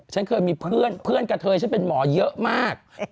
ฉันเคยมีเพื่อนเพื่อนกระเทยฉันเป็นหมอเยอะมาก